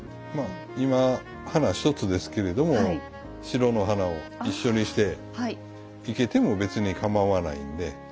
まあ今花１つですけれども白の花を一緒にして生けても別にかまわないんで。